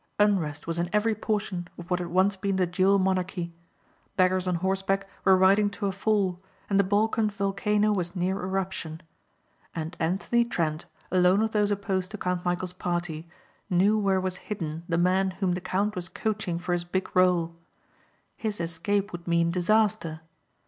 Unrest was in every portion of what had once been the dual monarchy. Beggars on horseback were riding to a fall and the Balkan volcano was near eruption. And Anthony Trent, alone of those opposed to Count Michæl's party, knew where was hidden the man whom the count was coaching for his big rôle. His escape would mean disaster.